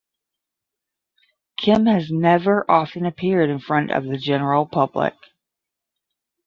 Kim has never often appeared in front of the general public.